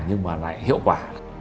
nhưng mà lại hiệu quả